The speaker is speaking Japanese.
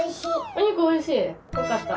おにくおいしいよかった。